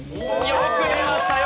よく出ました。